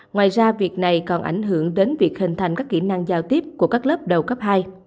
ngoài ra việc này còn ảnh hưởng đến việc hình thành các kỹ năng giao tiếp của các lớp đầu cấp hai